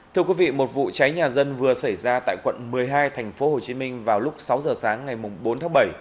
thưa quý vị một vụ cháy nhà dân vừa xảy ra tại quận một mươi hai tp hcm vào lúc sáu giờ sáng ngày bốn tháng bảy